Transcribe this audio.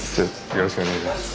よろしくお願いします。